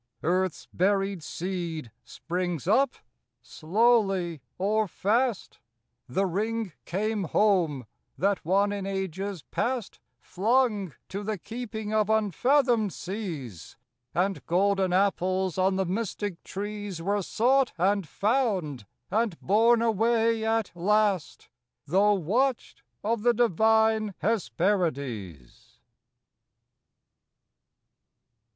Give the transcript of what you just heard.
Earth's buried seed springs up — slowly, or fast: The ring came home, that one in ages past Flung to the keeping of unfathomed seas: And golden apples op the mystic trees Were sought and found, and borne away at last, Though watched of the divine Hesperides.